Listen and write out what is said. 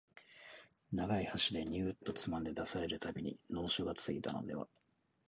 長い箸でニューッとつまんで出される度に能書がついたのでは、